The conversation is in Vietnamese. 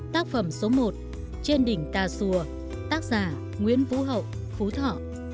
tác phẩm số một trên đỉnh tà xùa tác giả nguyễn vũ hậu phú thọ